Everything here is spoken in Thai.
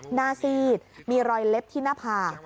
หน้าซีดมีรอยเล็บที่หน้าผ่า